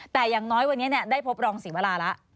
แต่อย่างน้อยวันนี้ได้พบรองศรีวราแล้ว